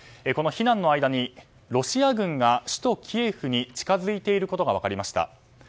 避難の間に、ロシア軍が首都キエフに近づいていることが分かりました。